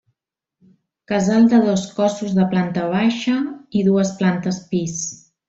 Casal de dos cossos de planta baixa i dues plantes pis.